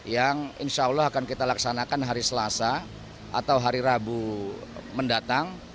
yang insya allah akan kita laksanakan hari selasa atau hari rabu mendatang